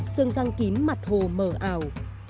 sương răng kín mặt hồ mờ ảo